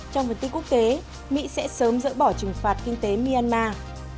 trong vận tích quốc tế mỹ sẽ sớm dỡ bỏ trừng phạt kinh tế myanmar